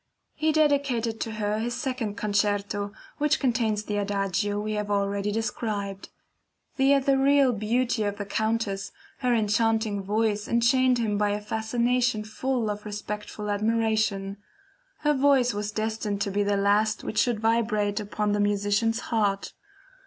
He dedicated to her his second Concerto, which contains the Adagio we have already described. The ethereal beauty of the Countess, her enchanting voice enchained him by a fascination full of respectful admiration. Her voice was destined to be the last which should vibrate upon the musician's heart.